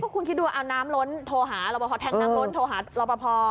พวกคุณคิดดูเอาน้ำล้นโทรหารับพอแท้งน้ำล้นโทรหารับพอ